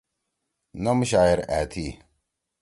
نم شاعر أ تھی۔